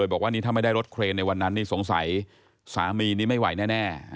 บอกว่านี่ถ้าไม่ได้รถเครนในวันนั้นนี่สงสัยสามีนี้ไม่ไหวแน่